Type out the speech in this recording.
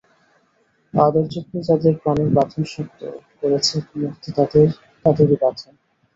আদরে যত্নে যাদের প্রাণের বাঁধন শক্ত করেছে মরতে তাদেরই বাধে।